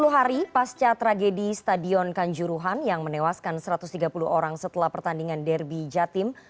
sepuluh hari pasca tragedi stadion kanjuruhan yang menewaskan satu ratus tiga puluh orang setelah pertandingan derby jatim